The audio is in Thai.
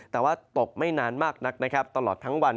แต่ว่าตกไม่นานมากนักนะครับตลอดทั้งวัน